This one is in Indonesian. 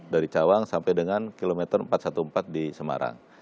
dari cawang sampai dengan kilometer empat ratus empat belas di semarang